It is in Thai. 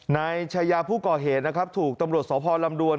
นายชายาผู้ก่อเหตุนะครับถูกตำรวจสพลำดวน